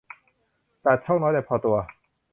ตัดช่องน้อยแต่พอตัว